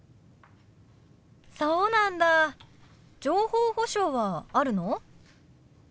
そうなんだ情報保障はあるの？